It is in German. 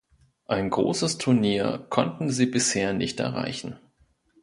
Ein großes Turnier konnten sie bisher nicht erreichen.